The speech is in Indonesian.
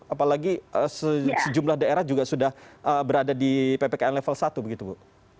apalagi sejumlah daerah juga sudah berada di ppkm level satu begitu bu